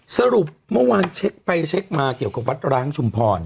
สรุปเมื่อวานเช็คไปเช็คมาเกี่ยวกับวัดร้างชุมพร